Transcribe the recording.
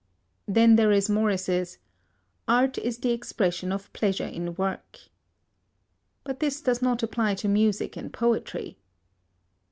Then there is Morris's "Art is the expression of pleasure in work." But this does not apply to music and poetry.